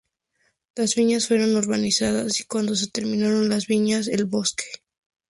Las viñas fueron urbanizadas y cuando se terminaron las viñas, el bosque.